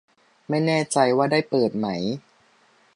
ไม่แน่ใจว่าได้เปิดไหม